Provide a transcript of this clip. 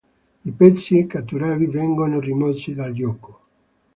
I pezzi catturati vengono rimossi dal gioco.